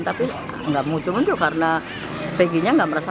tapi nggak muncul muncul karena tg nya nggak merasa